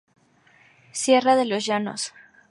Sierra de los Llanos